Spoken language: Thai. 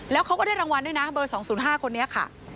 แล้วเขาก็ได้รางวัลด้วยนะเบอร์๒๐๕คนนี้ค่ะ